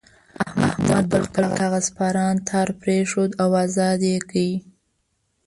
احمد د خپل کاغذ پران تار پرېښود او ازاد یې کړ.